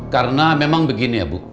karena memang begini ya bu